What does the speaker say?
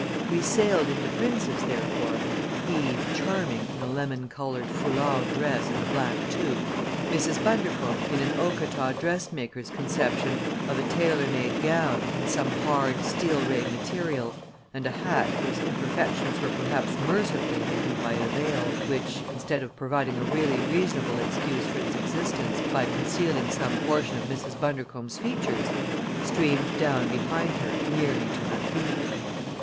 We sailed into Prince's, therefore Eve charming in a lemon colored foulard dress and a black toque; Mrs. Bundercombe in an Okata dressmaker's conception of a tailor made gown in some hard, steel ray material, and a hat whose imperfections were perhaps mercifully hidden by a veil, which, instead of providing a really reasonable excuse for its existence by concealing some portion of Mrs. Bundercombe's features, streamed down behind her nearly to her feet.